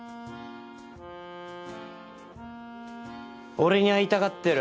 俺に会いたがってる。